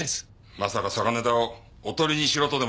まさか嵯峨根田をおとりにしろとでも言うのか？